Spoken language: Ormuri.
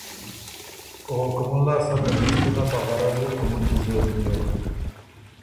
او کُومُن لاسته ته پِشتِنه په غرض اِر کُومُن کی زوک بیوک۔